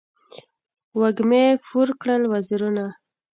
وږمې پور کړل وزرونه